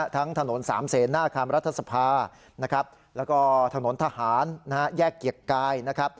ทั้งถนนสามเสนหน้าคามราธสภาแล้วโถนนทหารแยกเกียรติไกล